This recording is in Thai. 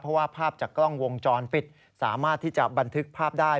เพราะว่าภาพจากกล้องวงจรปิดสามารถที่จะบันทึกภาพได้